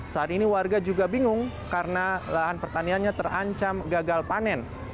saat ini warga juga bingung karena lahan pertaniannya terancam gagal panen